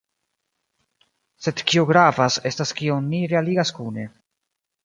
Sed kio gravas, estas kion ni realigas kune.